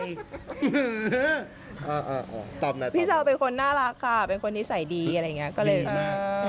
ตอบหน่อยตอบหน่อยพี่เช้าเป็นคนน่ารักค่ะเป็นคนนิสัยดีอะไรอย่างนี้ก็เลยดีน่ะ